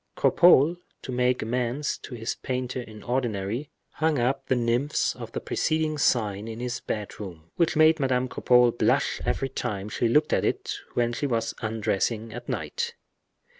Cropole, to make amends to his painter in ordinary, hung up the nymphs of the preceding sign in his bedroom, which made Madame Cropole blush every time she looked at it, when she was undressing at night.